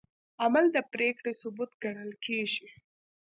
عمل د پرېکړې ثبوت ګڼل کېږي.